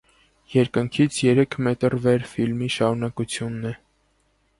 «Երկնքից երեք մետր վեր» ֆիլմի շարունակությունն է։